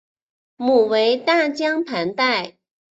母为大江磐代。